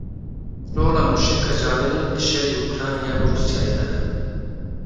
Rola mûşeka Javelin di şerê Ukrayna û Rûsyayê de.